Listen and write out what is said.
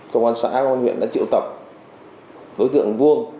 có đến cái nhà bà vuông